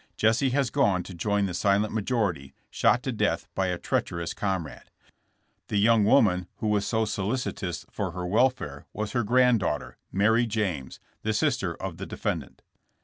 Jesse has gone to join the silent major ity, shot to death by a treacherous comrade. The young woman who was so solicitous for her welfare was her granddaughter, Mary James, the sister of the defendant.